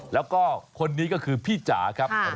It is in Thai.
แล้วก็คนนี้ก็คือพี่จ๋าครับ